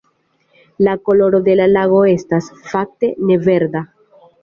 La koloro de la lago estas, fakte, ne verda.